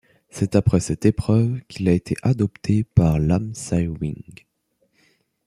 C'est après cette épreuve qu’il a été adopté par Lam Sai Wing.